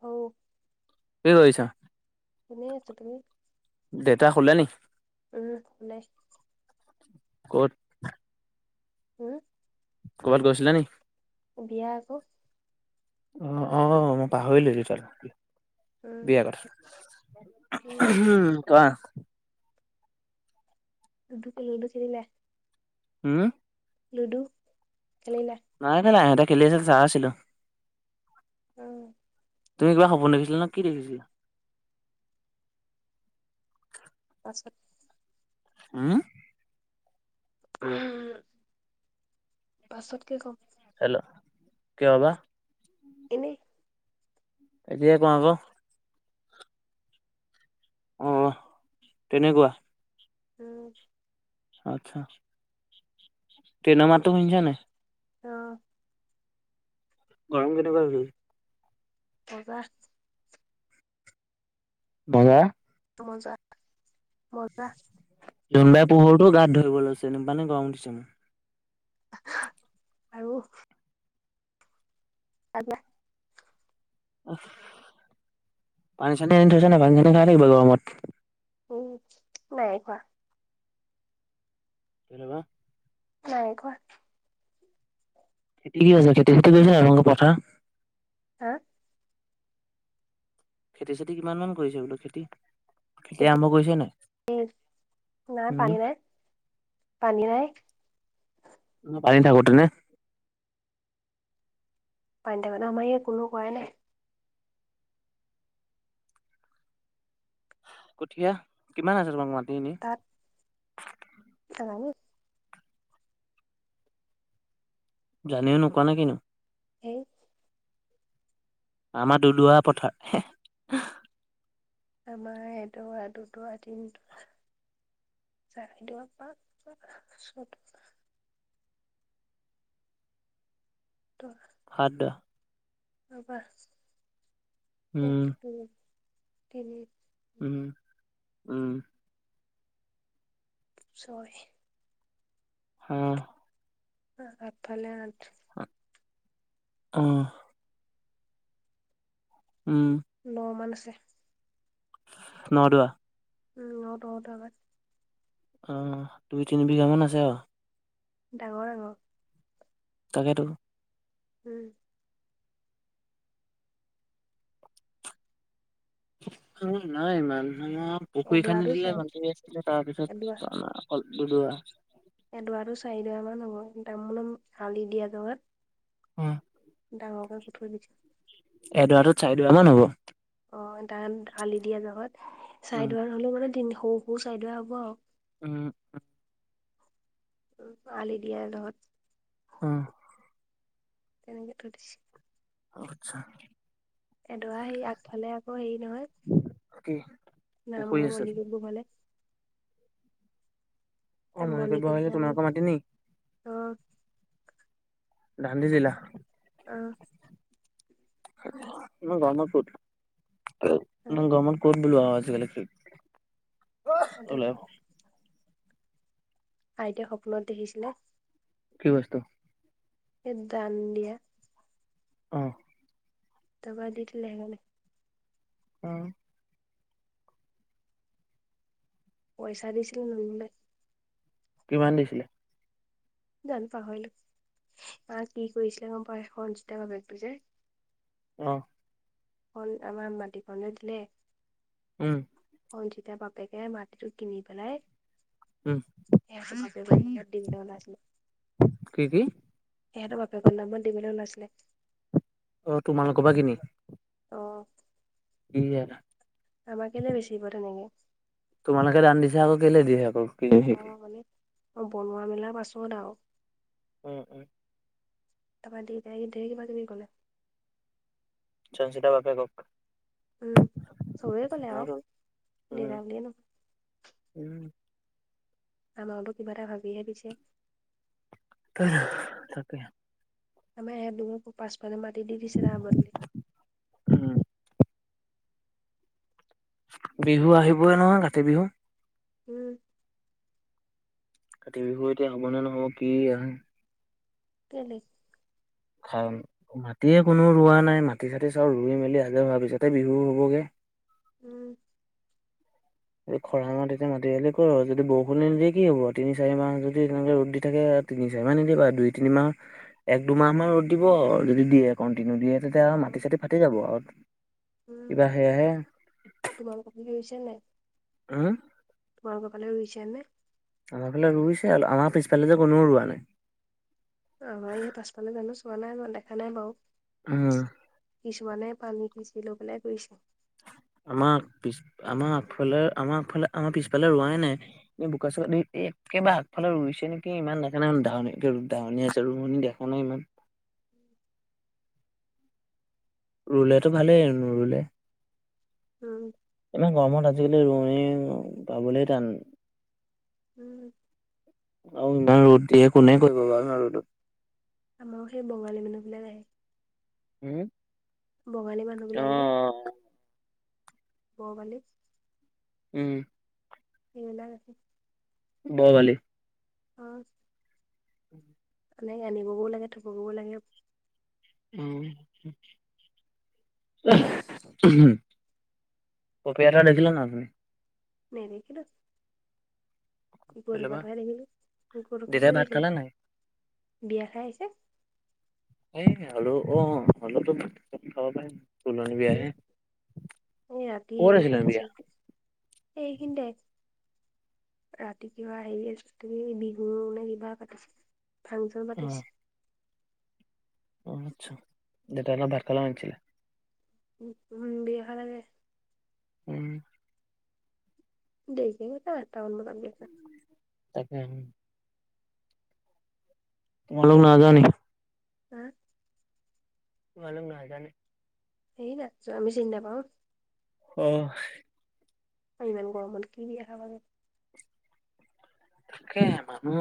অও। কি কৰিছা? এনেই আছো, তুমি? দেউতা শুলে নি? উম শুলে। ক'ত? হম ক'ৰবাত গৈছিলানি? বিয়া আক। অ', অ' মই উম পাহৰিলোয়ে। [unintelligible] উম [unintelligible] কোৱা? [unintelligible] হম লুডো নাই খেলা ইহতে খেলি আছিল চাই আছিলোঁ। উম তুমি কিবা সপুন দেখিছিলা ন কি দেখিছিলা? পাছত হম [unintelligible] পাছত কে কম। হেলো! কিয়? [unintelligible] এনে। এতিয়া কোৱা আক? অ', তেনেকুৱা। উম। আচ্ছা। ট্ৰেনব় মাটতো সুনিচা নাই? অ'। গৰম কেনেকুৱা? [unintelligible] মজা ভজা মজা মজা যোনবাই পোহৰটো গাত ধৰিব লৈছে নিপানে গৰম উঠিছে মো। আৰু [unintelligible] আহ পানী চানী আনি থৈছ নাই পানী চানী খাই থাকিবা গৰমত। উম নাই খোৱা। কেলে বা নাই খোৱা। খেতি কি কৈছ খেতি ছেতি কৈছ নাই তহংক পথা হা? খেতি চেতি কিমান মান কৰিছে বোলো খেতি? খেতি আৰম্ভ কৰিছে নাই? নাই উম, পানী নাই পানী নাই। [unintelligible] পানী থাকোতে নে পানী থাকোতে আমাৰ ইয়াত কোনো কৰাই নাই। কঠীয়া কিমান আছে তোমাৰ মাত তাত [unintelligible] জানিও নোকোৱা নে কিনো? হেই। আমাৰ দলোৱা পথাৰ। আমাৰ এদুৱা, দুদুৱা, তিনদুৱা। [unintelligible] ত খাদ্য ৰ'বা, উম এক-দুই-তিনি উম, উম। ছয়। হম। আৰু আগফালে আঠ। উম। ন'মান আছে। নদুৱা। উম, ন-দহ দুৱা মান অ', দুই-তিনি বিঘা মান আছে আও। ডাঙৰ-ডাঙৰ তাকেতো। উম। অ', নাই ইমান। আমাৰ পুখুৰী খান্দি এডৰাটো দিলে, চাই মাটি খিনি তাৰ পিছত অকল দুদৰা। এদুৱাটো চাৰিদৰা মান হ'ব, [unintelligible] হালি দিয়া [unintelligible] উম। ডাঙৰকে থৈ দিছে। এদুৱাটোত, চাৰিদুৱা মান হ'ব? অ', তাত আলি দিয়া জগাত উম চাৰিদুৱা হ'লেও মানে সেই সৰু-সৰু চাই দোৱা হ'ব আও। উম, উম। উম, আলি দিয়া লগত। উম। তেনেকে থৈ দিছে। আচ্ছা। এডৰা সেই আগফালে আকৌ হেৰি নহয় কি পুখুৰী নামঘৰ আছে মণিকূট কৰিবলে। অ', মনিকূট মণিকোট বনাইছে বৌ যে বুলি তোমালোকৰ মাতি নেকি? অ দান দি দিলা অ'। ইমান গৰমত ক'ত? ইমান গৰমত ক'ত? বোলো [unintelligible] কি ওলাই [unintelligible] আইদেউ সপোনত দেখিছিলে। কি বস্তু? এ দান দিয়া। অ'। তাপা দি থলে আহিবলে। অ'। পইছা দিছিল লোন লয়। কিমান দিছিলে? জানোঁ পাহৰিলোঁ মা কি কৰিছিলে গ'ম পাই খৰন ষ্টাৰ বেগটো যে অ'। হল, আমাৰ মাটকনো দিলে। উম। অ', যেতিয়া বাপেকে মাটিটো কিনি পেলাই উম [unintelligible] উলাইছিলে। কি কি তেহেতৰ বাপেকৰ নামত দিবলৈ ওলাইছিলে। অ', তোমালোকৰপা কিনি? অ'। [unintelligible] আমাক কেলে বেছিব তেনেকে। তোমালোকে দান দিছো, আকৌ কেলে দিয়ে আকৌ। কি অ', মানে অ', বনোৱা মেলা পাছত আৰু। উম, উম। তাৰপৰা দেতাই ধেৰ কিবা কিবি কলে। [unintelligible] বাপেকক। উম, চবেই কলে আৰু, উম দেতা বুলি উম আমাকোতো কিবা এটা ভাবিহে দিছে। তাকে। আমাৰ [unintelligible] পাচফালে মাতি দি দিছে তাৰ বদলি। উম বিহু আহিবই নহয়, কাতি বিহু। উম। কাতি বিহু এতিয়া হ'বনে নহ'ব, কি আহে। কেলে? [unintelligible] মাটিয়ে কোনো ৰোৱা নাই, মাটি চাটি চব ৰুই মেলি আজৰি হোৱাৰ পিছতহে বিহু হ'বগে। উম। খৰাঙত তেতিয়া মাতি আহিলে [unintelligible] যদি বৰষুনে নিদিয়ে কি হব, তিনি চাৰি মাহ যদি তেনেকে ৰ'দ দি থাকে তিনি চয় মাহ নিদিয়ে বাওঁ, দুই তিনিমাহ, এক দুমাহাহ ৰ'দ দি, ব যদি দিয়ে কণ্টিনিউ দিয়ে। তেতিয়া আৰু মাটি চাতি ফাটি যাব আৰু। উম, কিবা সেয়াহে তোমালোকৰ পিনে ৰুইছে নাই। উম তোমালোক ফালে ৰুইছেনে? আমাৰ ফালে ৰুইছে আৰু আমাৰ পিছফালে যে কোনেও ৰোৱা নাই। আমাৰ এই পাছফালে জানো চোৱা নাই দেখা নাই বাৰু। উম। মানে পানী সিঁচি লৈ পেলাই কৰিছে। আমাৰ পিছ, আমাৰ আগফালে আমাৰ আগফালে, আমাৰ পিছফালে ৰোৱাই নাই বোকা চ একেবাৰে আগফালে ৰুইছে নেকি, ইমান [unintelligible] আছে ৰোৱনী দেখা নাই ইমান। [inaudible] ৰুলেটো ভালেই, নুৰুলে। উম। ইমান গৰমত আজিকালি ৰোৱনী পাবলৈ টান। উম। আৰু ইমান ৰ'দ দিয়ে, কোনে কৰিব বাৰু আমাৰ ৰ'দত। আমাৰো সেই বঙালী মানুহবিলাক আহে। [inaudible] বঙালী মানুহ বিলাক যে অ', বঙালী উম। ব্ৰইলাৰ ৰাখিম। [unintelligible] অ' [inaudible] এনেকে আনিবগৈ লাগে থ'বগৈ লাগে উম। উম, হু কপি এটা দেখিলে নাই উঠনি? নেদেখিলোঁ। কুকুৰ কেলেবা কন্ধাই দেখিলো কুকুৰ দেউতাই কন্দাই ভাত দেখিলো। খালে নাই? বিয়া খাই আহিছে। আৰু অ, অলপটো খাব পাৰিম। তুলনী হেৰি বিয়াহে, এই ৰাতি ক'ত হেৰি আছিলে পাতিছে বিয়া? এইখিনিতে ৰাতি কিবা হেৰি [unintelligible] তুমি বিহু নে কিবা পাতিছে। ফাংচন পাতিছে। অ', অ', আচ্ছা দেউতাকে ভাত খাব মাতিছিলে। উম, বিহু খালা গে? উম, দেৰিকে হ'ব, এটা মান বজাত বিয়া পাত। তাকেহে তোমালোক নাইযোৱা নেকি? হা তোমালোক নাইযোৱা নেকি? সেই নাযোৱা আমি চিনি নাপাওঁ। অ', ইমান গৰমত কি বিয়া খাবা গে। তাকেহে মানুহ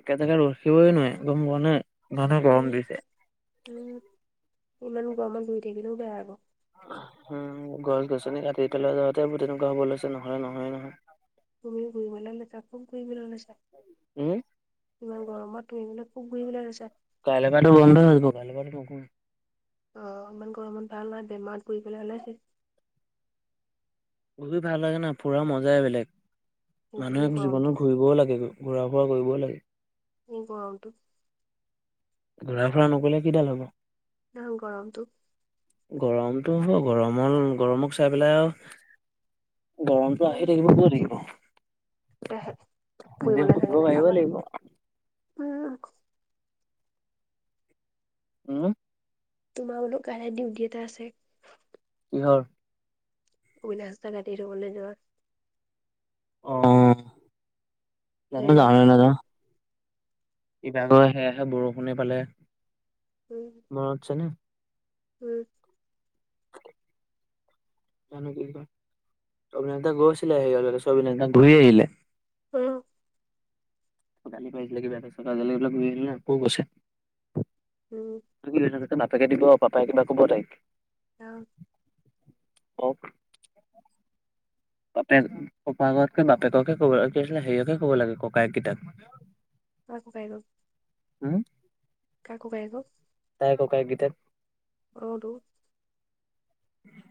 একে জেগাত ৰখিবই নোৱাৰি গম পোৱা নে? ইমানে গৰম উম দিছে। উম ইমান গৰমত ঘূৰি থাকিলেও বেয়া হ'ব। উম, গছ-গছনি কাটি পেলোৱা যাওঁতে গোটেইটো গড়বড় লৈছে নহলে নহয় নহয়। তুমি ঘূৰিবলৈ লৈছা [unintelligible] লৈছা। উম, ইমান গৰমত তুমি বুলু। কাইলৈ পৰাটো বন্ধ হৈ গল কাইলৈ পৰাটোতো নকৰোৱে। অ', ইমান গৰমত ভাল নহয় বেমাৰত পৰিবলৈ হ'লে শেষ ফুৰি ভাল লাগে না, ফুৰাৰ মজাই বেলেগ বুলি মানুহে গৰমটো জীৱনত ঘূৰিবও লাগে। ঘূৰা ফুৰা কৰিবও লাগে। ই গৰমটোত। ঘূৰা ফুৰা নকৰিলে কিডাল হ'ব? অ', গৰমটো। গৰমটো হ'ব গৰমৰ গৰমক চাই পেলাই আৰু গৰমটো আহি থাকিব গৈ থাকিব। কে হে নিজে ফুৰিবলৈ শুনিব থাকে নে পাৰিবই লাগিব কাৰবাৰ উম, উম, তোমাৰ বুলু কাইলে ডিউটি এটা আছে। কিহৰ? [unintelligible] ঘাটি ৰুবলৈ যোৱা। অ', হয় নাই [unintelligible] কিবা কৰে হেয়াহে বৰষুণে পালে, উম মনত আছে নে? উম, জানো কি কৰে, অভিনাশ দা গৈছিলে [unintelligible] ঘূৰি আহিলে। উম, গালি পাৰিছিলে কিবা এটা, তাৰ পিছত কাজিয়া লাগি পেলাই ঘূৰি আহিলে, আকৌ গৈছে। উম, বাপেকে দিব পাপায়ে কিবা ক'ব তাইক? চাও অ'। বাপেক, ককাকতকৈ বাপেককে ক'ব লাগে, কি আছিলে, সেয়কে ক'ব লাগে ককায়েকেইটাক। শুকাই গ'ল। হম? কাৰ ককায়েকক? তাইৰ ককায়েকগীতাক। অ' টো। উম।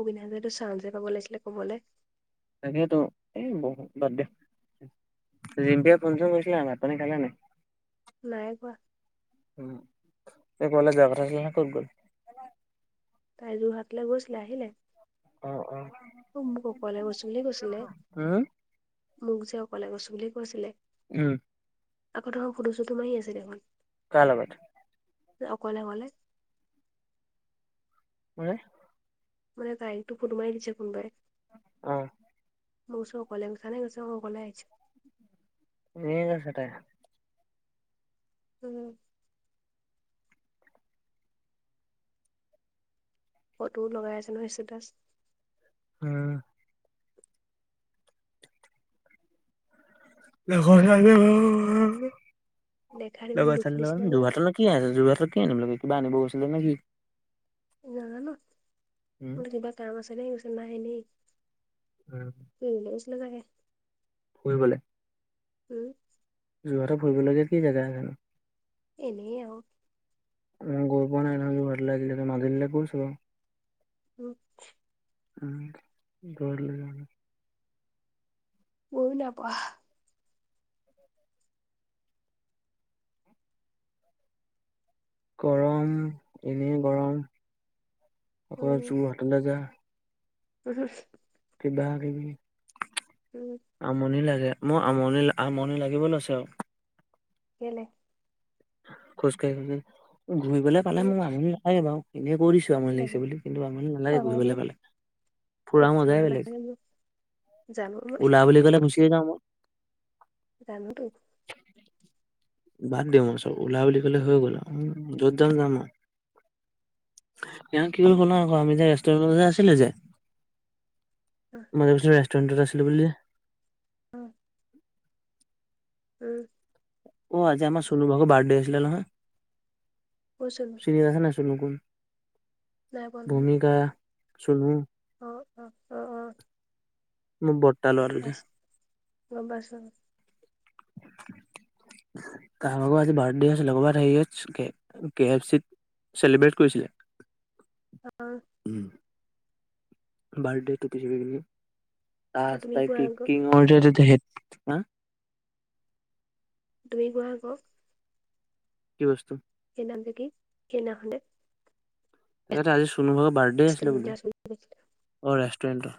অবিনাশহঁতেটো চান্স হে পাব লাগিছিলে, কবলে। তাকেতো, এ বহুত, বাদ দে, জিম্পিয়ে ফোন চোন কৰিছিলে নেকি, আগত পানী খালা নাই? নাই কোৱা। উম, এই কলেজ যোৱা কথা আছিলে নহয়, ক'ত গ'ল? তাই যোৰহাটলৈ গৈছিলে, আহিলে। অ অ অ' মোক অকলে গছ বুলি কৈছিলে, উম মোক যে অকলে গছ বুলি কৈছিলে উম। আকৌ দেখুন ফটো- চুটো মাৰি আছে দেখোন। কাৰ লগত? অকলে অকলে। কোনে? মানে তাইকটো ফটো মাৰি দিছে কোনবাই অ'। মই কৈছোঁ অকলে গৈছা নে, কৈছে অ', অকলে আহিছোঁ। এনেই কৈছে তাই। উম। ফটো লগাই আছে নহয়, ষ্টেটাছ। হম। [unintelligible] লগৰ ছোৱালীৰ দেখাত ইমান দুখ নিচিনা লগত, যে যোৰহাটত নো কি আছে, যোৰহাটৰ কি আনিব আছে, কিবা আনিব গৈছিলে নে কি? নাজানোঁ, উম, মানে কিবা কাম আছে নে কি, কৈছে নাই এনেই উম। নালাগে। ফুৰিবলে। উম। যোৰহাটৰ ফুৰিবলগীয়া কি জাগা নো? এনেই আৰু মই গৈ পোৱা নাই নহয়, কিবা লাগিলে মাজুলীলৈ গৈছোঁ বাৰু উম। উম, যোৰহাটলৈ। ময়ো নাই পঢ়া। গৰম, এনেই গৰম, অকল যোৰহাটলৈ যায় উম। কিব কিবি, উম আমনি লাগে। মই আমনি, ‌আমনি লাগিব লৈছে আৰু। কেলে? খোজ কাঢ়িবলৈ, ঘূৰিবলৈ পালে উম মোৰ আমনি নালাগে বাৰু এনে কৈ দিছোঁ আৰু, আমনি নাজানো। লাগিছে বুলি কিন্তু আমনি নালাগে ঘূৰিবলৈ পালে এতিয়াও নালাগে মোৰ উলা বুলি ক'লে গুচিয়েই যাওঁ মই। জানোতো বাদ দিম মই চব, উলা বুলি লি ক'লে হৈ গ'ল আৰু, উম, য'ত যাম যাম আৰু এ কি অ হ'ল ন আক আমি যে ৰেষ্টুৰেণ্ট আছিলো যে মই যে কৈছো ৰেষ্টুৰেণ্টত আছিলো বুলি। অহ। উম। অ আজি আম চনু ভাগৰ বাৰ্থডে আছিলে নহয়, কৈছিলো চিৰি আছে নাই চুনু কোন? নাই পোৱা নহয় ভূমিকা, চুনু অ অ অ অ। মোৰ বৰটা লৰাটো যে। ৰবা চোন [unintelligible] তাৰ ভাগৰ আজি বাৰ্থডে আছিলে ক'ৰবাত হেৰিত আছেগে কে এফ চিত চেলিব্ৰেট কৰিছিলে। অ উম বাৰ্থডটো অ তুমি কোৱা আকৌ [unintelligible] হা? তুমি কোৱা আক কি বস্তু? এ নামটো কি? কেনা খনে এয়াতে আজি চনু ভাগৰ বাৰ্থডে আছিল বোলো। অ ৰেষ্টুৰেণ্টৰ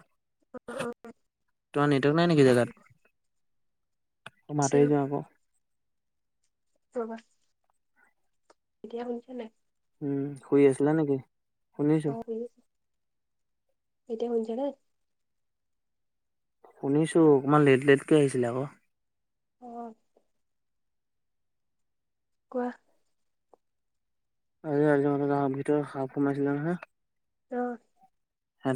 তোমাৰ নেটৱৰ্ক নাই নেকি জেগাত? আছে মাটই যোৱা আক। ৰবা এতিয়া শুনিছে নাই? উম শুই আছিলা নেকি? শুনিছোঁ অহ বে। এতিয়া শুনিছা নাই? শুনিছো অকমান লেট লেটকে আহিছিলে আক অ। কোৱা [unintelligible] ভিতৰত সাপ সোমাইছিলে নহয়। ৰ